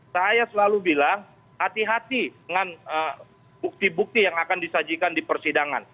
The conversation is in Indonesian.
saya selalu bilang hati hati dengan bukti bukti yang akan disajikan di persidangan